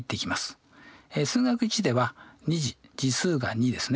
「数学Ⅰ」では２次次数が２ですね。